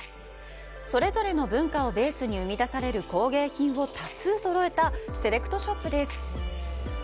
それぞれの文化をベースに生み出される工芸品を多数そろえたセレクトショップです。